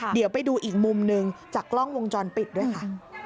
เดี๋ยวไปดูอีกมุมหนึ่งจากกล้องวงจรปิดด้วยค่ะ